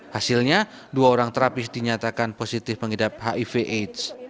hasilnya dua orang terapis dinyatakan positif mengidap hiv aids